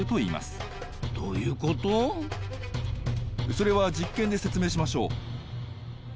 それは実験で説明しましょう。